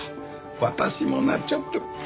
私もねちょっと。